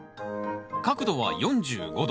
角度は４５度。